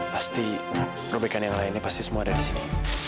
pasti robe kan yang lainnya pasti semua ada disini